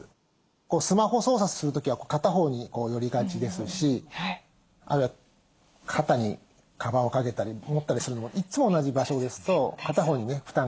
スマホ操作する時は片方にこう寄りがちですしあるいは肩にカバンをかけたり持ったりするのもいつも同じ場所ですと片方にね負担がかかりますし。